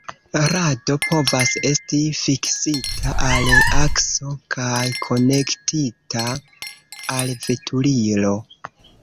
Rado povas esti fiksita al akso kaj konektita al veturilo.